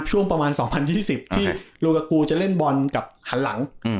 ช่วงประมาณสองพันยี่สิบที่ลูกกากูจะเล่นบอลกับหันหลังอืม